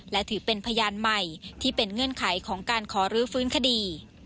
และถือเป็นพยานใหม่ที่เป็นเงื่อนไขของการขอรื้อฟื้นคดี